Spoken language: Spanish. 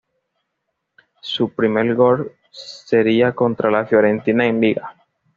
Su primer gol sería contra la Fiorentina en liga.